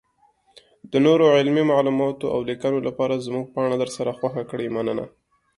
-دنورو علمي معلوماتو اولیکنو لپاره زمونږ پاڼه درسره خوښه کړئ مننه.